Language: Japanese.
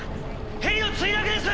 ヘリの墜落です！